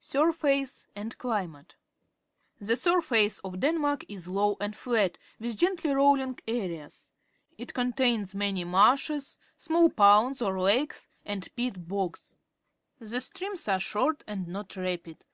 Siirface and Climate. — The surface of Denmark is low and flat, with gently rolling areas. It contains many marshes, small ponds or lakes, and peat bogs. The streams are short and not rapid.